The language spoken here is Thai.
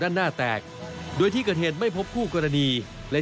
แต่ระหว่างทางเสียงโทรศัพท์มือถือดังขึ้น